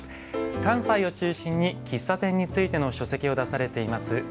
関西を中心に喫茶店についての書籍を出されています